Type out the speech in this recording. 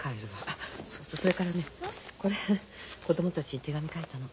あそうそうそれからねこれ子供たちに手紙書いたの。